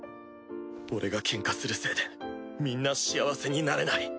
俺がケンカするせいでみんな幸せになれない！